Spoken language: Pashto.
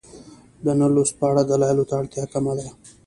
د نه لوست په اړه دلایلو ته اړتیا کمه ده.